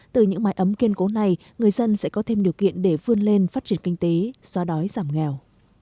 từ những mái ấm kiên cố này người dân sẽ có thêm điều kiện để vươn lên phát triển kinh tế xóa đói giảm nghèo